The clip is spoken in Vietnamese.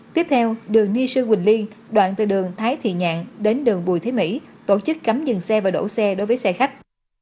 tiếp theo đường nghi sư quỳnh liên đoạn từ đường thái thị nhàn đến đường bùi thế mỹ tổ chức cấm dừng xe và đổ xe đối với xe khách